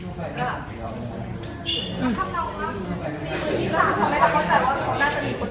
พืชแชทคืนแชทอันนี้นะคะ